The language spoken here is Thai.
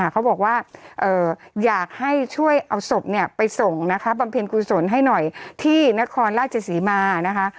เขาบอกว่าอยากให้ช่วยเอาศพไปส่งนะคะบำเพ็ญกุศลให้หน่อยที่นครราชศรีมานะคะ